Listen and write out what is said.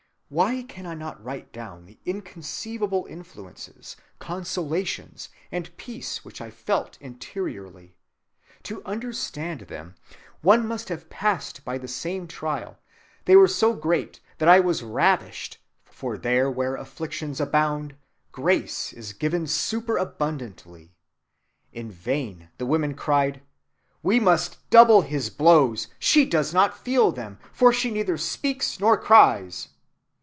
Why can I not write down the inconceivable influences, consolations, and peace which I felt interiorly? To understand them one must have passed by the same trial; they were so great that I was ravished, for there where afflictions abound grace is given superabundantly. In vain the women cried, 'We must double our blows; she does not feel them, for she neither speaks nor cries.